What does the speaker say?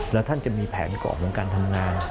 แล้วท่านจะมีแผนกรอบของการทำงาน